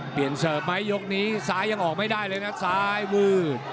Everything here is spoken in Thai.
เสิร์ฟไหมยกนี้ซ้ายยังออกไม่ได้เลยนะซ้ายมือ